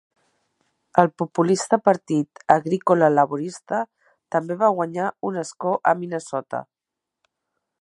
El populista Partit Agrícola-Laborista també va guanyar un escó a Minnesota.